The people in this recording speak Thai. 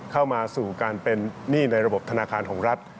เข้ามาสู่การเป็นหนี้ในระบบธนาคารของรัฐ